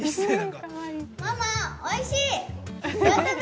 ママ、おいしい！